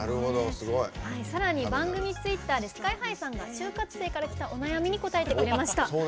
さらに番組ツイッターでＳＫＹ‐ＨＩさんが就活生からきたお悩みに答えてくれました。